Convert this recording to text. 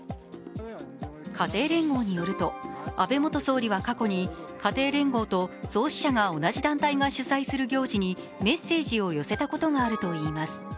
家庭連合によると、安倍元総理は過去に家庭連合と創始者が同じ団体が主催する行事にメッセージを寄せたことがあるといいます。